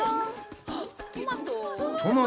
トマト。